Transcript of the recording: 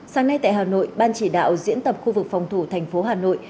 sáng nay tại hà nội ban chỉ đạo diễn tập khu vực phòng thủ thành phố hà nội